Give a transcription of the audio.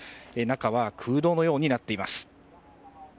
中は空洞のようになっています。